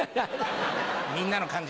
みんなの感じ。